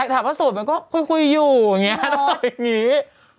ถามว่าโสดมนัยก็คุยอยู่อย่างนี้